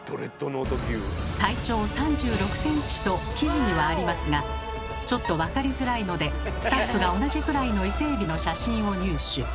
「体長３６ｃｍ」と記事にはありますがちょっと分かりづらいのでスタッフが同じくらいのイセエビの写真を入手。